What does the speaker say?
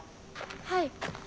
はい。